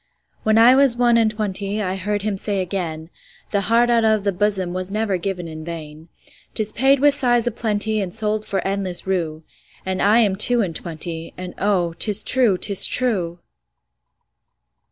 When I was one and twentyI heard him say again,'The heart out of the bosomWas never given in vain;'Tis paid with sighs a plentyAnd sold for endless rue.'And I am two and twenty, And oh, 'tis true, 'tis true.